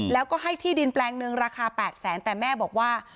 แล้วก็ให้ที่ดินแปลงหนึ่งราคา๘แสนแต่แม่บอกว่า